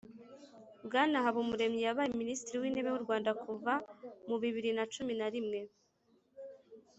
.Bwana Habumuremyi yabaye Minisitiri w'intebe w'u Rwanda kuva mu bibiri na cumi na rimwe